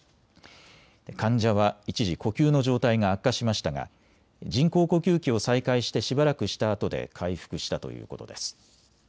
患者は一時、呼吸の状態が悪化しましたが人工呼吸器を再開してしばらくしたあとで回復したということです。